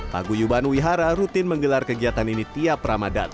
paguyuban wihara rutin menggelar kegiatan ini tiap ramadan